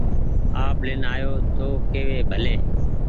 آپ لين آيو تو ڪيوي ڀلي